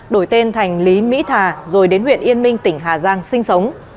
đổi tên thành lý mỹ thà rồi đến huyện yên minh tỉnh hà giang sinh sống